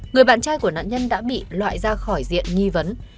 người bạn trai của nạn nhân đã bị loại ra khỏi diện nghi vấn